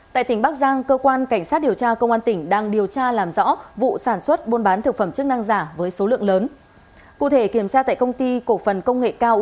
tại tỉnh bắc giang cơ quan cảnh sát điều tra công an tỉnh đang điều tra làm rõ vụ sản xuất buôn bán thực phẩm chức năng giả với số lượng lớn